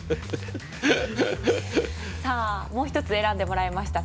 もう一つ選んでもらいました。